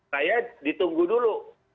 saya ditunggu dulu